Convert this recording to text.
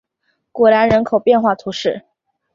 古兰人口变化图示